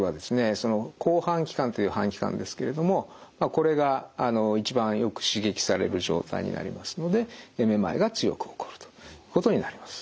その後半規管という半規管ですけれどもこれが一番よく刺激される状態になりますのでめまいが強く起こるということになります。